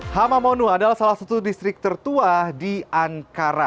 hamamonu adalah salah satu distrik tertua di ankara